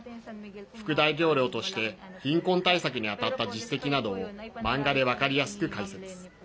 副大統領として貧困対策にあたった実績などを漫画で分かりやすく解説。